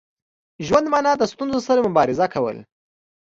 ژوند مانا د ستونزو سره مبارزه کول.